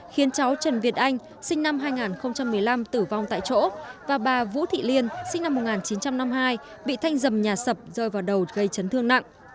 khiến cháu trần việt anh sinh năm hai nghìn một mươi năm tử vong tại chỗ và bà vũ thị liên sinh năm một nghìn chín trăm năm mươi hai bị thanh dầm nhà sập rơi vào đầu gây chấn thương nặng